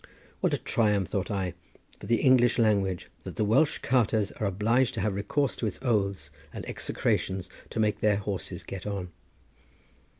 "What a triumph," thought I, "for the English language that the Welsh carters are obliged to have recourse to its oaths and execrations to make their horses get on!"